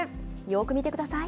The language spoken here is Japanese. よく見てください。